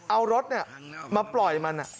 เอารถเนี่ยมาปล่อยมันอ่ะ